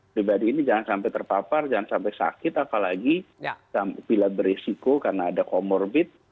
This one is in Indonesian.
pribadi ini jangan sampai terpapar jangan sampai sakit apalagi bila berisiko karena ada comorbid